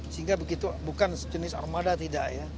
sehingga begitu bukan jenis armada tidak ya